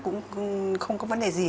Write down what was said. cũng không có vấn đề gì